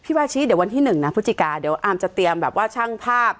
วาชิเดี๋ยววันที่๑นะพฤศจิกาเดี๋ยวอาร์มจะเตรียมแบบว่าช่างภาพ